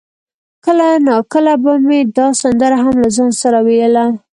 کله ناکله به مې دا سندره هم له ځانه سره ویله.